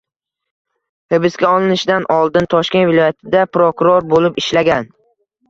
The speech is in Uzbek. Hibsga olinishidan oldin Toshkent viloyatida prokuror bo'lib ishlagan.